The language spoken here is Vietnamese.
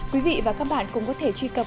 quý vị và các bạn cũng có thể truy cập